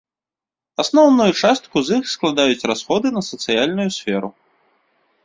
Асноўную частку з іх складаюць расходы на сацыяльную сферу.